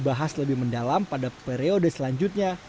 dibahas lebih mendalam pada periode selanjutnya